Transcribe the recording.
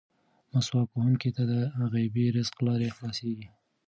مسواک وهونکي ته د غیبي رزق لارې خلاصېږي.